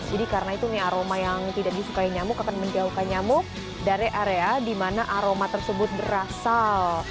jadi karena itu nih aroma yang tidak disukai nyamuk akan menjauhkan nyamuk dari area di mana aroma tersebut berasal